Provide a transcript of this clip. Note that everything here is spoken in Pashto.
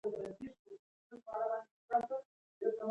د دې پېړۍ سپین سباوون ته ځیر شئ